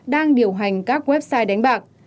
đang điều hành các website đánh bạc